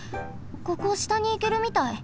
ここしたにいけるみたい。